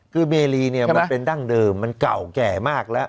คือเมรีเนี่ยมันเป็นดั้งเดิมมันเก่าแก่มากแล้ว